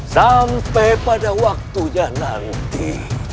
sampai pada waktunya nanti